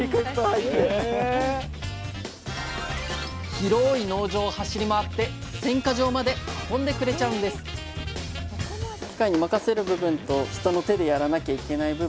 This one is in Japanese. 広い農場を走り回って選果場まで運んでくれちゃうんですいや